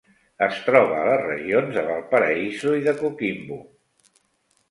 Es troba a les regions de Valparaíso i de Coquimbo.